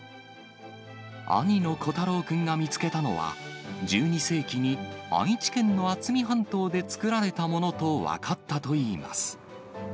兄の瑚太郎君が見つけたのは、１２世紀に愛知県の渥美半島で作られたものと分かったといいます。